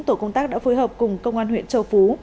tổ công tác đã phối hợp cùng công an huyện châu phú